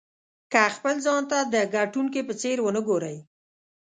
که خپل ځان ته د ګټونکي په څېر ونه ګورئ.